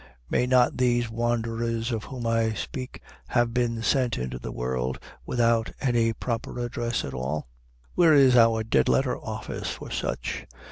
May not these wanderers of whom I speak have been sent into the world without any proper address at all? Where is our Dead Letter Office for such?